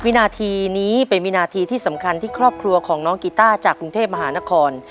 วินาทีนี้เป็นวินาทีที่สำคัญที่ครอบครัวของน้องกีต้าจากกรุงเทพมหานคร